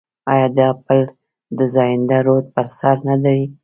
آیا دا پل د زاینده رود پر سر نه دی؟